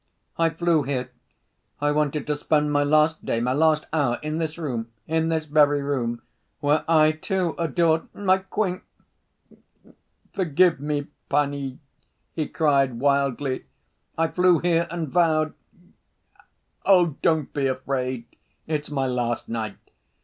"I flew here.... I wanted to spend my last day, my last hour in this room, in this very room ... where I, too, adored ... my queen.... Forgive me, panie," he cried wildly, "I flew here and vowed— Oh, don't be afraid, it's my last night!